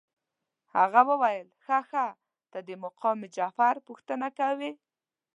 هغه ویل ښه ښه ته د مقام جعفر پوښتنه کوې.